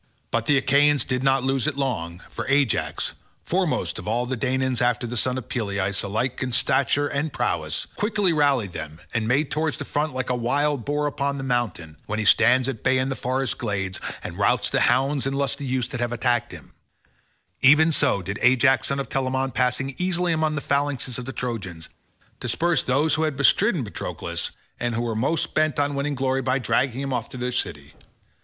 But the Achaeans did not lose it long, for Ajax, foremost of all the Danaans after the son of Peleus alike in stature and prowess, quickly rallied them and made towards the front like a wild boar upon the mountains when he stands at bay in the forest glades and routs the hounds and lusty youths that have attacked him—even so did Ajax son of Telamon passing easily in among the phalanxes of the Trojans, disperse those who had bestridden Patroclus and were most bent on winning glory by dragging him off to their city.